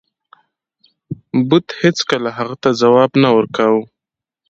بت هیڅکله هغه ته ځواب نه ورکاو.